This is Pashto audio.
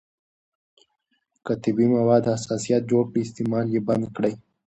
که طبیعي مواد حساسیت جوړ کړي، استعمال یې بند کړئ.